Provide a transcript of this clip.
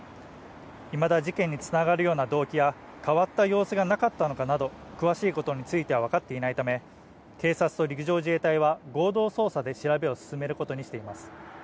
いまだ事件につながるような動機や変わった様子がなかったのかなど詳しいことについては分かっていないため、警察と陸上自衛隊は合同捜査で調べを進めることにしています。